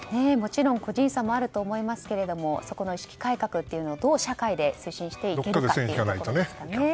もちろん個人差もあると思いますけれどもそこの意識改革をどう社会で推進していくかですね。